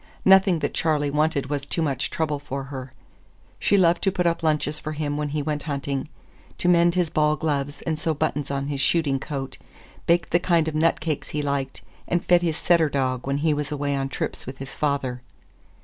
Nothing that Charley wanted was too much trouble for her. She loved to put up lunches for him when he went hunting, to mend his ball gloves and sew buttons on his shooting coat, baked the kind of nut cake he liked, and fed his setter dog when he was away on trips with his father.